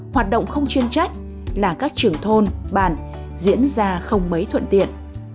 hoạt động không chuyên trách là các trưởng thôn bản diễn ra không mấy thuận tiện